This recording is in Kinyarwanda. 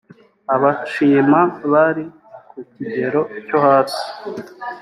abashima bari ku kigero cyohasi.